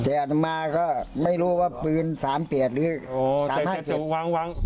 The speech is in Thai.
แต่อาจมาก็ไม่รู้ว่าปืนสามเกียรติหรือสามห้าเกียรติ